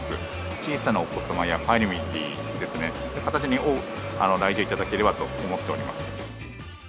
小さなお子様や、ファミリーに、多く来場いただければと思っております。